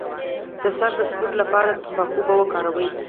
د سر د سپږو لپاره د تنباکو اوبه وکاروئ